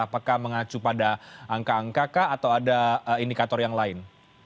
apakah mengacu pada angka angka kah atau ada indikator yang lain